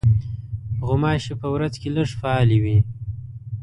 غوماشې په ورځ کې لږ فعالې وي.